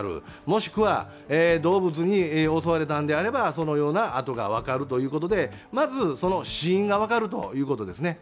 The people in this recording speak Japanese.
もしくは動物に襲われたんであればそのようなあとが分かるということでまず、死因が分かるということですね。